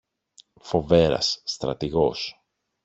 Φοβέρας, στρατηγός